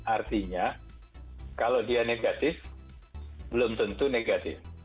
artinya kalau dia negatif belum tentu negatif